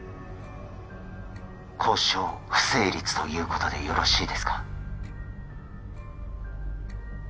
交渉不成立ということでよろしいですか？